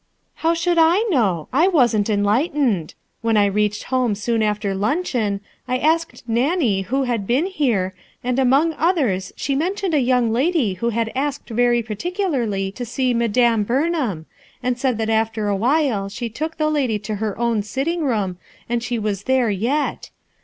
"How should I know? I wasn't enlightened. When I reached home soon after luncheon, I asked Xannie who had been here, and among 216 BUILT ON THE SAND 2 17 others she mentioned a young lady who had i asked very particularly to sec ■ Madame Burn ham,' and said that after a while she took the lady to her own sitting room, and she was there yet